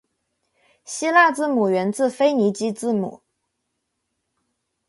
希腊字母源自腓尼基字母。